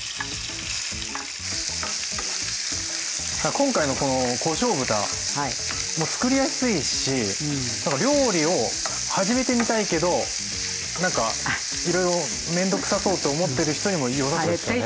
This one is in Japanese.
今回のこのこしょう豚もつくりやすいし何か料理を始めてみたいけど何かいろいろ面倒くさそうって思ってる人にもよさそうですよね。